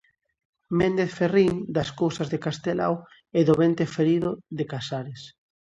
Méndez Ferrín, das Cousas de Castelao, e do "Vento Ferido" de Casares.